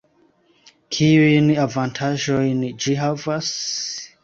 Kiujn avantaĝojn ĝi havas?